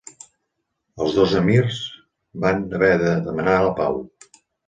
Els dos emirs van haver de demanar la pau.